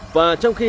và trong khi